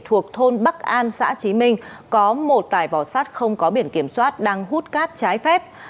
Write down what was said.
thuộc thôn bắc an xã trí minh có một tải vỏ sắt không có biển kiểm soát đang hút cát trái phép